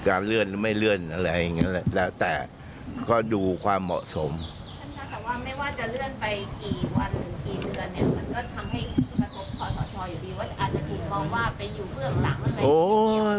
ว่าอาจจะถูกมองว่าไปอยู่เบื้องต่างมันไม่เกี่ยว